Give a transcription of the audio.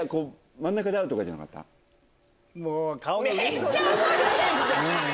めっちゃ覚えてんじゃん！